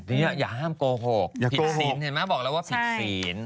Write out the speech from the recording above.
ทีนี้อย่าห้ามโกหกผิดศีลเห็นไหมบอกแล้วว่าผิดศีล